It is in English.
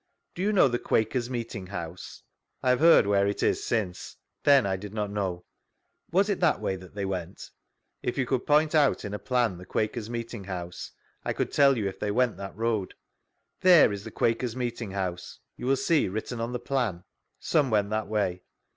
Do you know the Quakers' meeting house? — I have heard where it is since; then I did not know. Was it that way that they went ?— If you could point out, in a plan, the Quakers' meeting house, I could tell you if they went that road. There is the Quakers' meeting house, you will see written on the ^an? — Some went that way.